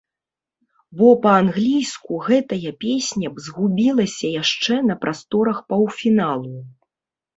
Бо па-англійску гэтая песня б згубілася яшчэ на прасторах паўфіналу.